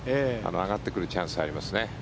上がってくるチャンスがありますね。